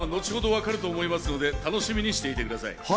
僕が誰の親友かはほど分かると思いますので、楽しみにしていてください。